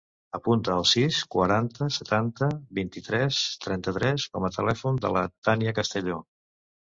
Apunta el sis, quaranta, setanta, vint-i-tres, trenta-tres com a telèfon de la Tània Castello.